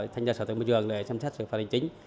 tham gia sở thương môi trường để xem xét sự vật hành chính